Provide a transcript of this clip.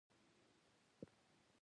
همدې صنعتکارانو پارلمان ته تورې جوړولې.